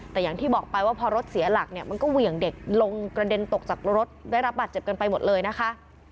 แต่อย่างที่บอกไปว่าพอรถเสียหลักเนี่ยมันก็เหวี่ยงเด็กลงกระเด็นตกจากรถได้รับบาดเจ็บกันไปหมดเลยนะคะ